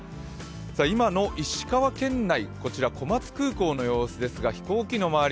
今の石川県内、こちら小松空港の様子ですが飛行機の周り